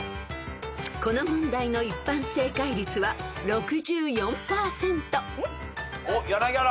［この問題の一般正解率は６４％］おっ柳原。